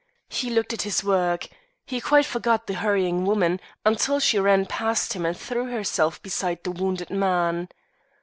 He looked at his work; he quite forgot the hurrying woman until she ran past him and threw herself beside the wounded man.